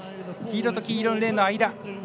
黄色と黄色のレーンの間。